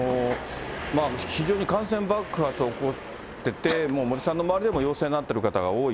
非常に感染爆発が起こってて、もう森さんの周りでも陽性になっている方も多い。